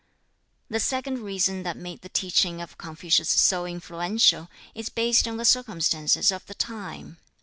The second reason that made the teaching of Confucius so influential is based on the circumstances of the time.